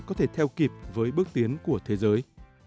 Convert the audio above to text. có thể theo kịp với bước tiến của thế giới